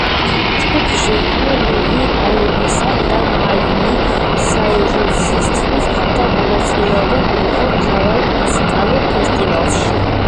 ჯგუფი შეიქმნა ლილი ალენისა და მაილი საირუსისთვის და მონაწილეობა მიიღო მრავალ მუსიკალური ფესტივალშ.